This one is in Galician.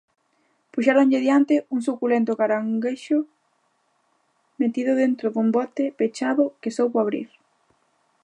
Puxéronlle diante un suculento caranguexo metido dentro dun bote pechado que soubo abrir.